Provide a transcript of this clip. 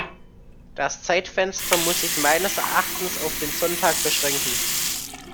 Das Zeitfenster muss sich meines Erachtens auf den Sonntag beschränken.